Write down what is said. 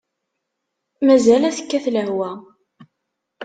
Mazal ad tekkat lehwa!